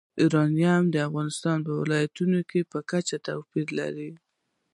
یورانیم د افغانستان د ولایاتو په کچه توپیر لري.